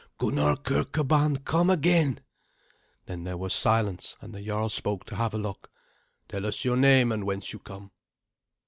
Gunnar Kirkeban come again!" Then was silence, and the jarl spoke to Havelok. "Tell us your name, and whence you come."